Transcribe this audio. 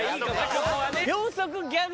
ここはね